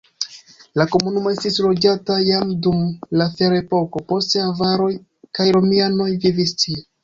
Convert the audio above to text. La komunumo estis loĝata jam dum la ferepoko, poste avaroj kaj romianoj vivis tie.